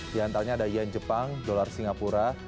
di antaranya ada yen jepang dolar singapura